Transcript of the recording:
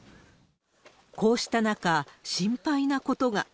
こうした中、心配なことが。